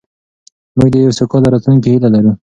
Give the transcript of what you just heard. موږ د یوې سوکاله راتلونکې هیله لرو.